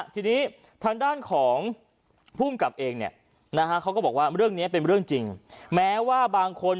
ทีนี้ทางด้านของผู้อื่นกับเองเนี่ย